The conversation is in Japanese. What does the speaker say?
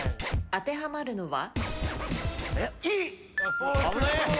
当てはまるのは？